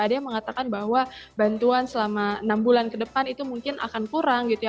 ada yang mengatakan bahwa bantuan selama enam bulan ke depan itu mungkin akan kurang gitu ya